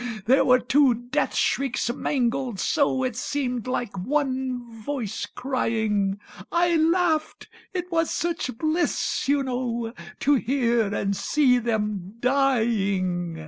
There were two death shrieks mingled so It seemed like one voice crying, I laughed it was such bliss, you know, To hear and see them dying.